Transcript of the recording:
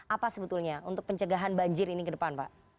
apa sebetulnya untuk pencegahan banjir ini ke depan pak